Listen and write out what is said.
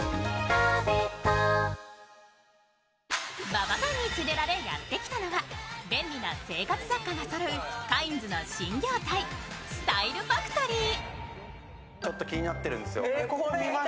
馬場さんに連れられやってきたのは、便利な生活雑貨がそろうカインズの新業態、スタイルファクトリー。